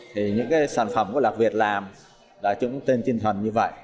thì những cái sản phẩm của lạc việt làm là chúng tên chinh thuần như vậy